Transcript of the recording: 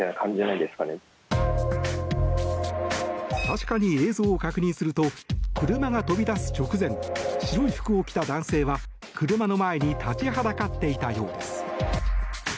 確かに映像を確認すると車が飛び出す直前白い服を着た男性は、車の前に立ちはだかっていたようです。